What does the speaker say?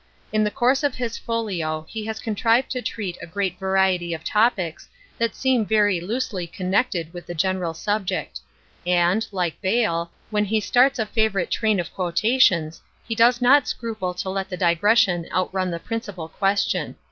In the course of his folio he has contrived to treat a great variety of topics, that seem very loosely connected with the general subject; and, like Bayle, when he starts a favourite train of quotations, he does not scruple to let the digression outrun the principal question.